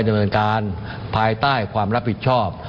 ต้องไปจำนวนการภายใต้ความรับผิดชอบ